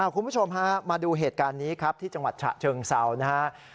คุณผู้ชมฮะมาดูเหตุการณ์นี้ครับที่จังหวัดฉะเชิงเซานะครับ